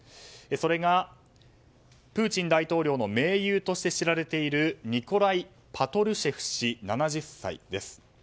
それが、プーチン大統領の盟友として知られているニコライ・パトルシェフ氏７０歳です。